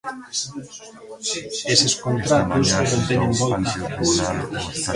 Eses contratos non teñen volta atrás.